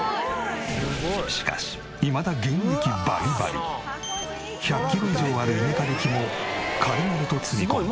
しかしいまだ１００キロ以上ある稲刈り機も軽々と積み込む。